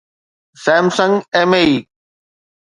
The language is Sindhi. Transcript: Samsung MAE